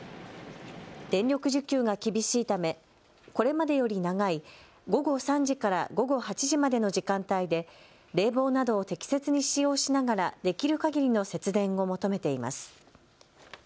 電力需給が厳しいためこれまでより長い午後３時から午後８時までの時間帯で冷房などを適切に使用しながらできるかぎりの節電を求めています。